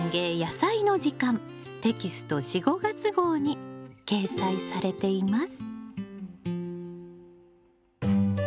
テキスト４・５月号に掲載されています。